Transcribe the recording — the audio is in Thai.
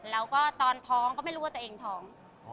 แล้วก็ตอนท้องก็ไม่รู้ว่าตัวเองท้อง